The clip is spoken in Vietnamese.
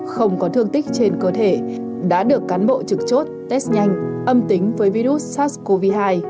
không có thương tích trên cơ thể đã được cán bộ trực chốt test nhanh âm tính với virus sars cov hai